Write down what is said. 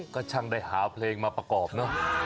ก็ช่างได้หาเพลงมาประกอบเนอะ